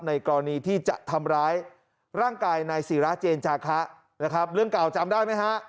กรณีที่จะทำร้ายร่างกายนายศิราเจนจาคะนะครับเรื่องเก่าจำได้ไหมฮะ